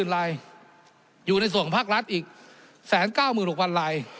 ๑ลายอยู่ในส่วนของภาครัฐอีก๑๙๖๐๐๐ลาย